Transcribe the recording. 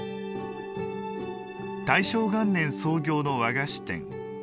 大正元年創業の和菓子店。